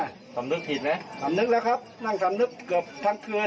สำนึกผิดไหมสำนึกแล้วครับนั่งสำนึกเกือบทั้งคืน